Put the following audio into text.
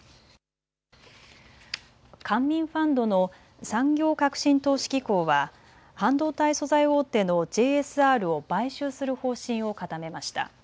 官民ファンドの産業革新投資機構は半導体素材大手のＪＳＲを買収する方針を固めました。